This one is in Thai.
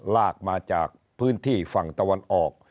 ลากมาจากพื้นที่ฝั่งตะวันออก